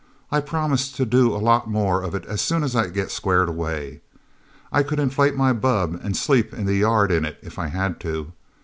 "I promise to do a lot more of it as soon as I get squared away. I could inflate my bubb, and sleep in the yard in it, if I had to.